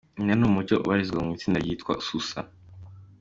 Uganda Abakobwa mirongwine kw’ijana barongorwa batarageza ku myaka cumi numunani